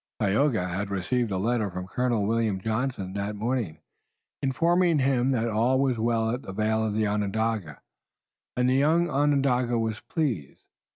Tayoga had received a letter from Colonel William Johnson that morning, informing him that all was well at the vale of Onondaga, and the young Onondaga was pleased.